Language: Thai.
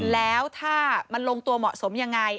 แล้วถ้ามันลงตัวเหมาะสมยังไง